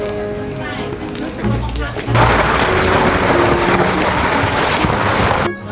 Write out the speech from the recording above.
และที่เราต้องใช้เวลาในการปฏิบัติหน้าที่ระยะเวลาหนึ่งนะครับ